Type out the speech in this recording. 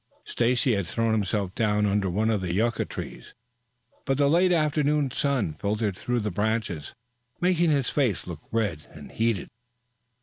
Stacy had thrown himself down under one of the yucca trees, but the late afternoon sun filtered through the branches, making his face look red and heated.